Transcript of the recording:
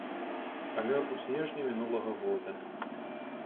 Памёр у снежні мінулага года.